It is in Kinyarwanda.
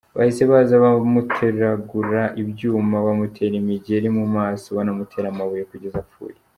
Bahise baza bamuteragura ibyuma, bamutera imigeri mu maso, banamutera amabuye kugeza apfuye.